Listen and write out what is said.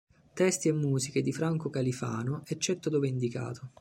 Testi e musiche di Franco Califano, eccetto dove indicato.